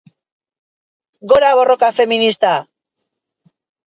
Gora borroka feminista